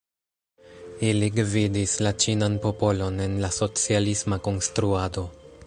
Ili gvidis la ĉinan popolon en la socialisma konstruado.